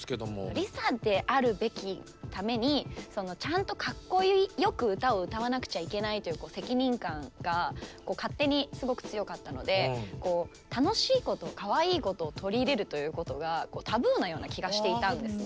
ＬｉＳＡであるべきためにちゃんとかっこよく歌を歌わなくちゃいけないという責任感が勝手にすごく強かったので楽しいことかわいいことを取り入れるということがタブーなような気がしていたんですね。